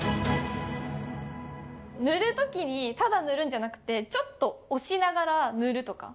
塗るときにただ塗るんじゃなくてちょっと押しながら塗るとか？